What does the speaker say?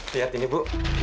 lihat ini bu